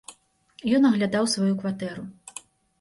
Ён аглядаў сваю кватэру.